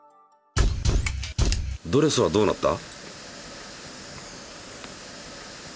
ドレスはどうなった？